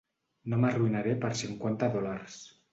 No m'arruïnaré per cinquanta dòlars.